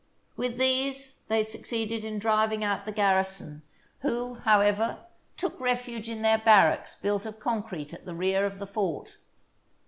With these they suc ceeded in driving out the garrison, who, however, took refuge in their barracks built of concrete at the rear of the fort.